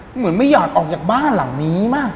เหมือนไม่อยากออกจากบ้านหลังนี้มาก